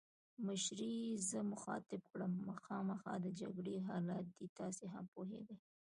مشرې یې زه مخاطب کړم: خامخا د جګړې حالات دي، تاسي هم پوهېږئ.